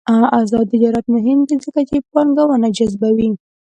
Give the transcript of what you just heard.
آزاد تجارت مهم دی ځکه چې پانګونه جذبوي.